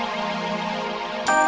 dia sudah berubah